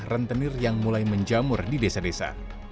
rentenir yang mulai menjamur di desa desa